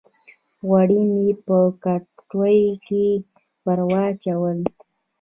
غوړي مې په کټوۍ کښې ور واچول